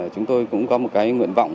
chúng tôi cũng có một cái nguyện vọng